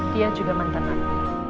dia juga mantan api